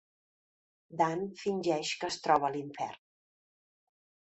Dant fingeix que es troba a l'infern.